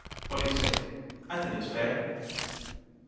What do you say? I think it's fair."